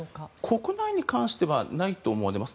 国内に関してはないと思われます。